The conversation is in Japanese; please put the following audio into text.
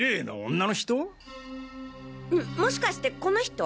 もしかしてこの人？